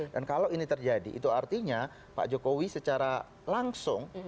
dan kalau ini terjadi itu artinya pak jokowi secara langsung